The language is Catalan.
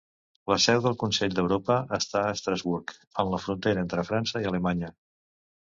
La seu del Consell d'Europa està a Estrasburg, en la frontera entre França i Alemanya.